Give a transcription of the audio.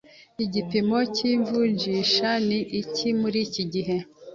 Igipimo cy'ivunjisha ni iki muri iki gihe?